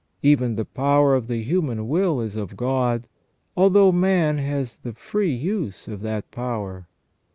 Even the power of the human will is of God, although man has the free use of that power.